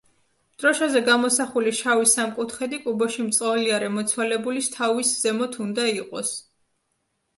დროშაზე გამოსახული შავი სამკუთხედი კუბოში მწოლიარე მიცვალებულის თავის ზემოთ უნდა იყოს.